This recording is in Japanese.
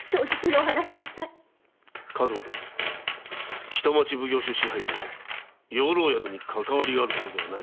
数馬殿北町奉行所支配の養老宿にかかわりがあることでは？